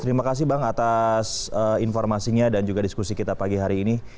terima kasih bang atas informasinya dan juga diskusi kita pagi hari ini